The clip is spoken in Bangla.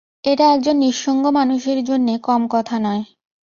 এটা এক জন নিঃসঙ্গ মানুষের জন্যে কম কথা নয়।